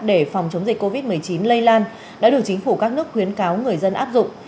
để phòng chống dịch covid một mươi chín lây lan đã được chính phủ các nước khuyến cáo người dân áp dụng